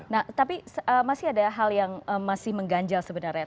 nah tapi masih ada hal yang masih mengganjal sebenarnya